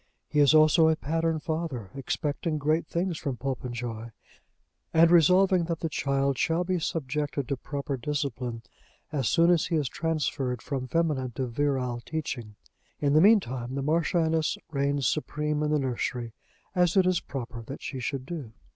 He is also a pattern father, expecting great things from Popenjoy, and resolving that the child shall be subjected to proper discipline as soon as he is transferred from feminine to virile teaching. In the meantime the Marchioness reigns supreme in the nursery, as it is proper that she should do.